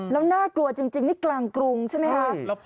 แล้วน่ากลัวจริงนี่กลางกรุงใช่ไหมคะ